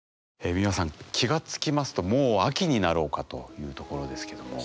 美輪さん気が付きますともう秋になろうかというところですけども。